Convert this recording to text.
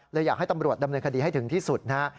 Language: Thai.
อยากให้ตำรวจดำเนินคดีให้ถึงที่สุดนะฮะ